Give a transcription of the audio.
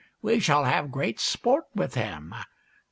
We shall have great sport with him.